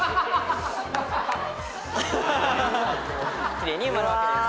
奇麗に埋まるわけです。